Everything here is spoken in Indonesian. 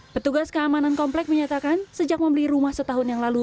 petugas keamanan komplek menyatakan sejak membeli rumah setahun yang lalu